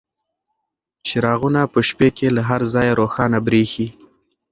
چراغونه په شپې کې له هر ځایه روښانه بریښي.